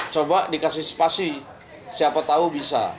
coba dikasih spasi siapa tahu bisa